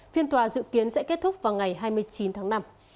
phiên tòa dự kiến sẽ kết thúc vào ngày hai mươi chín tháng năm